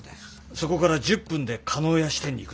そこから１０分で叶谷支店に行くのは？